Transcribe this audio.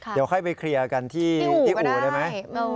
เดี๋ยวค่อยไปเคลียร์กันที่อู่ได้ไหม